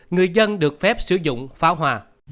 hai người dân được phép sử dụng pháo nổ